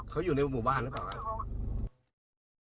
เขาอยู่ในหมู่บ้านรึเปล่ากัน